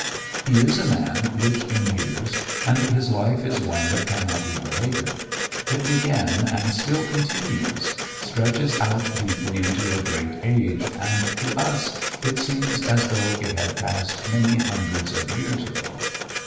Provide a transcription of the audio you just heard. He is a man rich in years; and his life is one that cannot be related. It began and still continues; stretches out deeply into a great age, and to us, it seems as though it had passed many hundreds of years ago.